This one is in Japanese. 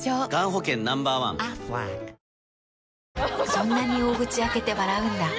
そんなに大口開けて笑うんだ。